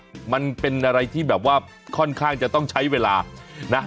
มันเป็นอะไรที่แบบว่าค่อนข้างจะต้องใช้เวลานะ